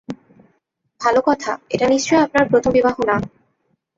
ভালো কথা, এটা নিশ্চয়ই আপনার প্রথম বিবাহ না।